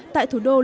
tại thủ đô lisbon